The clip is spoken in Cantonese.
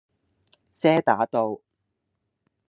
遮打道